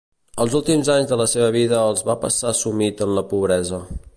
Els últims anys de la seva vida els va passar sumit en la pobresa.